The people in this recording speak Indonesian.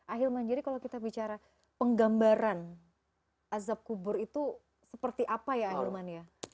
ahilman jadi kalau kita bicara penggambaran azab kubur itu seperti apa ya ahilman ya